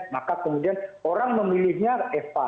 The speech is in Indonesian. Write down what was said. maka kemudian orang memilihnya eva